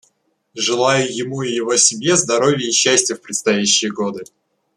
Желаю ему и его семье здоровья и счастья в предстоящие годы.